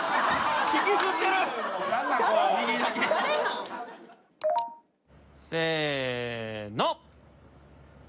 ひきずってる！せの！